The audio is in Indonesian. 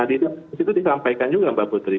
nah disitu disampaikan juga mbak putri